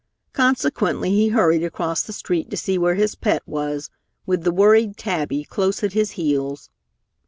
Consequently he hurried across the street to see where his pet was, with the worried Tabby close at his heels.